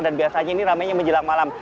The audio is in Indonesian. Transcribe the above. dan biasanya ini ramainya menjelang malam